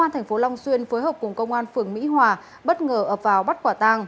tp long xuyên phối hợp cùng công an phường mỹ hòa bất ngờ ập vào bắt quả tang